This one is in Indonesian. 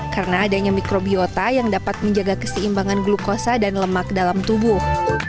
karena adanya mikrobiota yang dapat menjaga keseimbangan glukosa dan lemak dalam tubuh